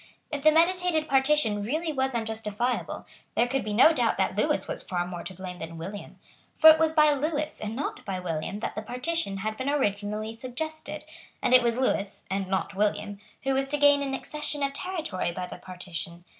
If the meditated partition really was unjustifiable, there could be no doubt that Lewis was far more to blame than William. For it was by Lewis, and not by William, that the partition had been originally suggested; and it was Lewis, and not William, who was to gain an accession of territory by the partition.